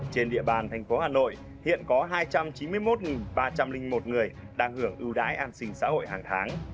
trên địa bàn thành phố hà nội hiện có hai trăm chín mươi một ba trăm linh một người đang hưởng ưu đái an sinh xã hội hàng tháng